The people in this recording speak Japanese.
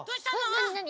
なになに？